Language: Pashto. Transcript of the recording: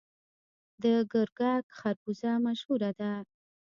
د ګرګک خربوزه مشهوره ده.